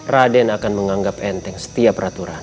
raden akan menganggap enteng setiap peraturan